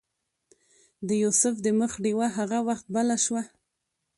د یوسف د مخ ډیوه هغه وخت بله شوه.